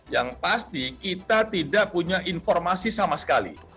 yang pasti kita tidak punya informasi sama sekali